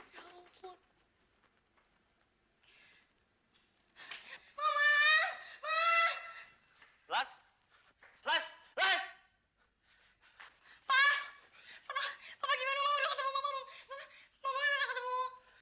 mama udah ketemu